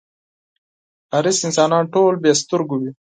حریص انسانان ټول بې سترگو وي.